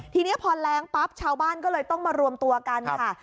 ทีนี้พอแรงปั๊บชาวบ้านก็เลยต้องมารวมตัวกันค่ะ